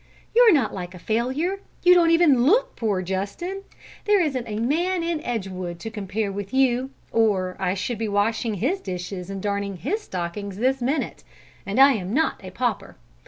You're not like a failure. You don't even look poor, Justin; there isn't a man in Edgewood to compare with you, or I should be washing his dishes and darning his stockings this minute. And I am not a pauper!